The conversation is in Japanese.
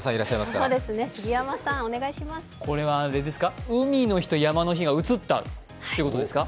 これは海の日と山の日が移ったということですか。